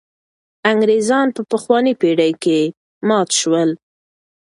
انګرېزان په پخوانۍ پېړۍ کې مات شول.